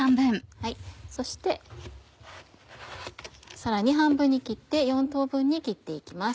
そしてさらに半分に切って４等分に切って行きます。